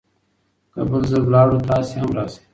که بل ځل لاړو، تاسې هم راشئ.